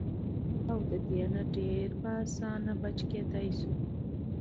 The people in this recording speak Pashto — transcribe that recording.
او د دې نه ډېر پۀ اسانه بچ کېدے شو -